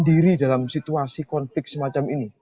diri dalam situasi konflik semacam ini